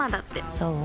そう？